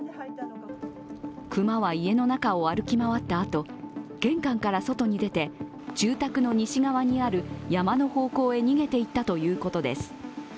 熊は家の中を歩き回ったあと、玄関から外に出て住宅の西側にある山の方向へ逃げていったということです。